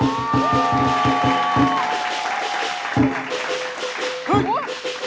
โอ้โฮต้นเสียวมาก